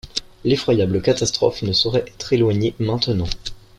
L’effroyable catastrophe ne saurait être éloignée maintenant!